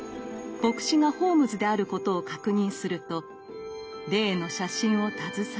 牧師がホームズであることを確認すると例の写真を携え